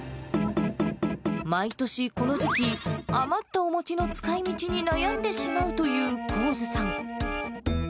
毎年、この時期、余ったお餅の使い道に悩んでしまうという幸津さん。